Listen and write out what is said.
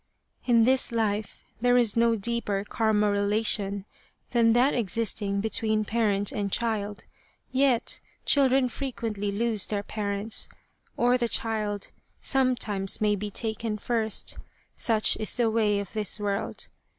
" In this life there is no deeper Karma relation than that existing between parent and child, yet children frequently lose their parents, or the child sometimes may be taken first. Such is the way of this world.